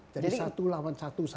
jadi satu lawan satu